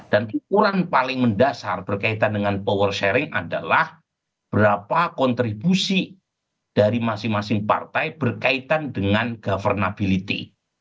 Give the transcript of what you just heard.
dan ukuran paling mendasar berkaitan dengan power sharing adalah berapa kontribusi dari masing masing partai berkaitan dengan governability